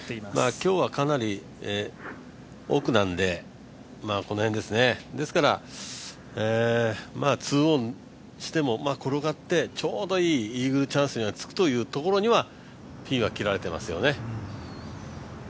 今日はかなり奥なんで、この辺ですね、ですから２オンしても転がってちょうどいいイーグルチャンスにはつくというところにはピンは切られてますよね。